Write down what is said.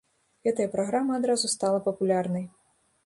Гэтая праграма адразу стала папулярнай.